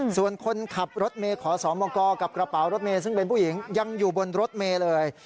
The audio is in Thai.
ส่วนคนขับรถเมย์ขอสมกกับกระเป๋ารถเมย์ซึ่งเป็นผู้หญิงยังอยู่บนรถเมย์เลย